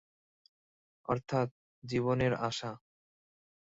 অর্থাৎ জীবনের আশা।